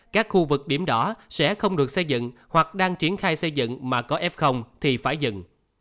các khu vực điểm đó sẽ không được xây dựng hoặc đang triển khai xây dựng mà có f thì phải dừng